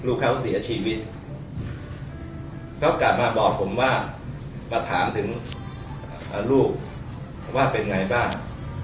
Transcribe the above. ลูกเขาเสียชีวิตเขากลับมาบอกผมว่ามาถามถึงลูกว่าเป็นไงบ้าง